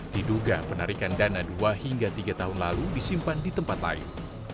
diduga penarikan dana dua hingga tiga tahun lalu disimpan di tempat lain